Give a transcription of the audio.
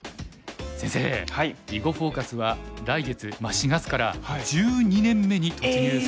先生「囲碁フォーカス」は来月４月から１２年目に突入するんです。